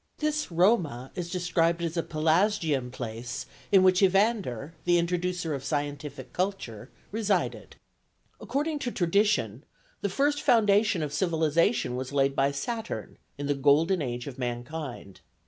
This Roma is described as a Pelasgian place in which Evander, the introducer of scientific culture, resided. According to tradition, the first foundation of civilization was laid by Saturn, in the golden age of mankind.